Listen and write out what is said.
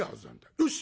よし！